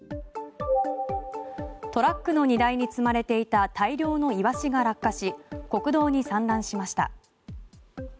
トラックの荷台に積まれていた大量のイワシが落下し国道に散乱しました。